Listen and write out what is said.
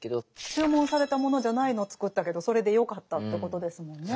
注文されたものじゃないのを作ったけどそれでよかったってことですもんね。